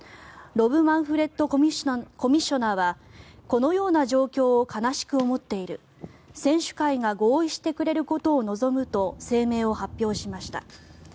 ロブ・マンフレッドコミッショナーはこのような状況を悲しく思っている選手会が合意してくれることを望むと声明を発表しました。